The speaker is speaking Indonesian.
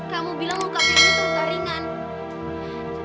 kamu bilang mukamnya untuk taringan